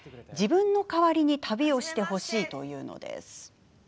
自分の代わりに旅をしてほしいというのです。